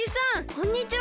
こんにちは！